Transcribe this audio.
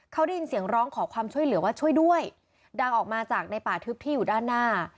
เขาได้ยินเสียงร้องขอความช่วยเหลือว่าช่วยด้วยดังออกมาจากในป่าทึบที่อยู่ด้านหน้า